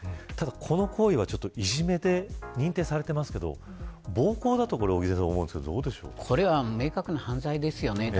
ただこの行為はいじめで認定されていますけど暴行だと、尾木先生これは明確な犯罪ですよね。